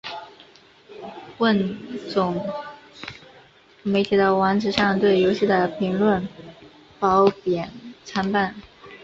汇总媒体的网址上对游戏的评论褒贬参半。